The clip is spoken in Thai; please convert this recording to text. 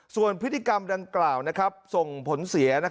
ส่วนพฤติกรรมดังกล่าวส่งผลเสีย